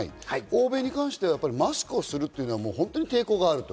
欧米に関してはマスクをするというのは本当に抵抗がある。